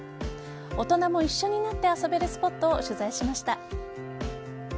大人も一緒になって遊べるスポットを取材しました。